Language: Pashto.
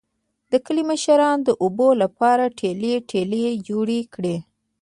د کلي مشرانو د اوبو لپاره ټلۍ ټلۍ جوړې کړې